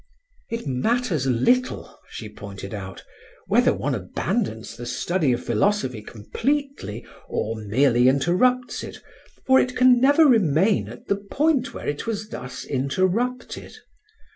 It matters little, she pointed out, whether one abandons the study of philosophy completely or merely interrupts it, for it can never remain at the point where it was thus interrupted.